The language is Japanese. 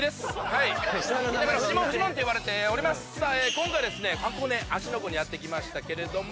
今回ですね箱根芦ノ湖にやって来ましたけれども。